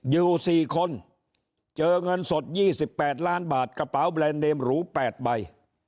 อยู่๔คนเจอเงินสด๒๘ล้านบาทกระเป๋าแบรนด์เนมหรู๘ใบ